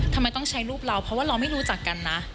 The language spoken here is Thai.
ทำไมต้องใช้รูปเราเพราะว่าเราไม่รู้จักกันนะ